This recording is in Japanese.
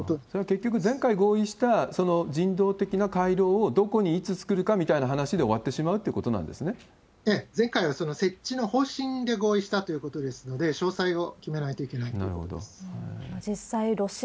それは結局、前回合意した人道的な回廊をどこにいつ作るかみたいな話で終わっ前回はその設置の方針で合意したということですので、詳細を決めないといけないということでなるほど。